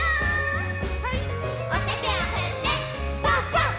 おててをふってパンパン！